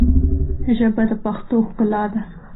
ژبه د پښتو ښکلا ده